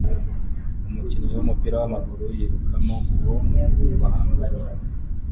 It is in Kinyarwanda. Umukinnyi wumupira wamaguru yikuramo uwo bahanganye